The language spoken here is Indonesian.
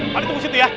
paling tunggu situ ya